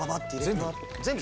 全部？